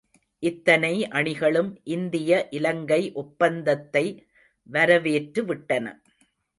இத்தனை அணிகளும் இந்திய இலங்கை ஒப்பந்தத்தை வரவேற்று விட்டன.